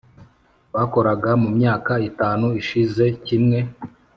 bakoraga mu myaka itanu ishize kimwe